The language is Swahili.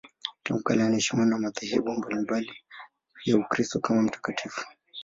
Tangu kale anaheshimiwa na madhehebu mbalimbali ya Ukristo kama mtakatifu.